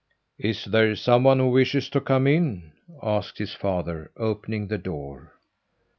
"Is there some one who wishes to come in?" asked his father, opening the door.